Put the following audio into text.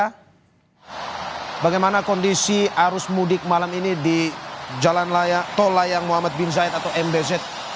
bagaimana kondisi arus mudik malam ini di jalan tol layang muhammad bin zaid atau mbz